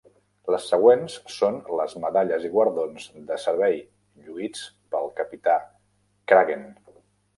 Les següents són les medalles i guardons de servei lluïts pel Capità Cragen.